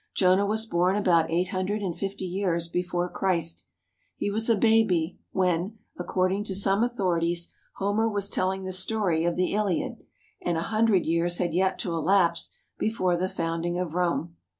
Jonah was born about eight hundred and fifty years before Christ. He was a baby when, according to some authorities, Homer was telling the story of the Iliad, and a hundred years had yet to elapse before the founding of Rome.